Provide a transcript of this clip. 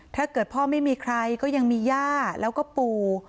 ถ้าเกิดพ่อไม่มีใครก็ยังมีย่าแล้วก็ปู่